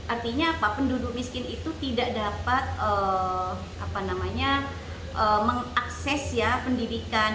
artinya apa penduduk miskin itu tidak dapat mengakses pendidikan